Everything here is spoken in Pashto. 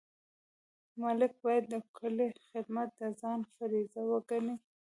ملک باید د کلي خدمت د ځان فریضه وګڼي.